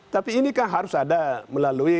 tapi ini kan harus ada melalui